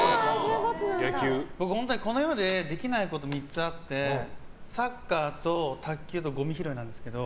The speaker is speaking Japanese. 僕、この世でできないこと３つあって、サッカーと卓球とごみ拾いなんですけど。